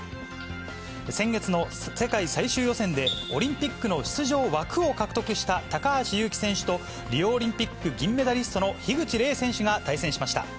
先月の世界最終予選で、オリンピックの出場枠を獲得した高橋侑希選手と、リオオリンピック銀メダリストの樋口黎選手が対戦しました。